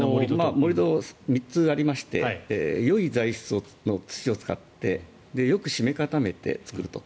盛り土、３つありましてよい材質の土を使ってよく締め固めて作ると。